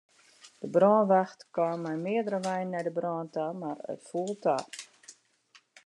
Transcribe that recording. De brânwacht kaam mei meardere weinen nei de brân ta, mar it foel ta.